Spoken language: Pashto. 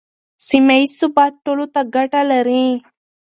سیمه ییز ثبات ټولو ته ګټه لري.